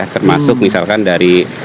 termasuk misalkan dari